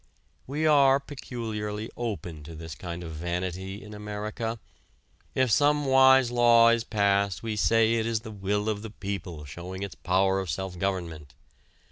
We are peculiarly open to this kind of vanity in America. If some wise law is passed we say it is the will of the people showing its power of self government.